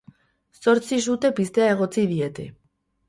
Zortzi sute piztea egotzi diete.